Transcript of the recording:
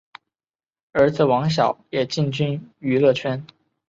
儿子王骁也进军娱乐圈。